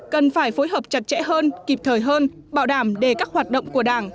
cần phải phối hợp chặt chẽ hơn kịp thời hơn bảo đảm để các hoạt động của đảng